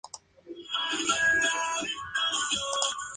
Las flores tienen forma de estrella cuando están totalmente abiertas.